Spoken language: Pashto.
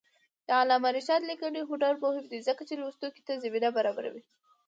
د علامه رشاد لیکنی هنر مهم دی ځکه چې لوستونکي ته زمینه برابروي.